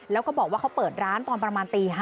แล้วก็บอกว่าเขาเปิดร้านตอนประมาณตี๕